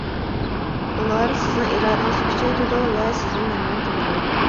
ئۇلار سىزنىڭ ئىرادىڭىزنى كۈچەيتىدۇ ۋە سىزنى مەمنۇن قىلىدۇ.